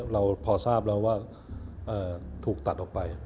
เราพอทราบแล้วว่าถูกตัดออกไป